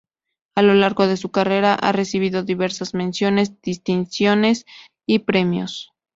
A lo largo de su carrera ha recibido diversas menciones, distinciones y premios.